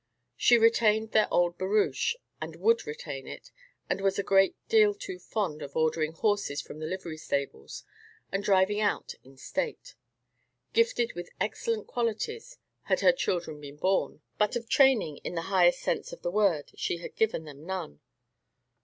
She retained their old barouche, and would retain it, and was a great deal too fond of ordering horses from the livery stables and driving out in state. Gifted with excellent qualities had her children been born; but of training, in the highest sense of the word, she had given them none.